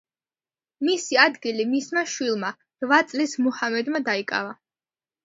მისი ადგილი მისმა შვილმა რვა წლის მუჰამედმა დაიკავა.